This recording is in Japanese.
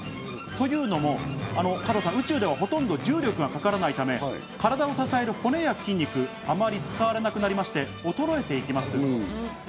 というのも宇宙ではほとんど重力がかからないため、体を支える骨や筋肉、あまり使われなくなりまして、衰えていきます。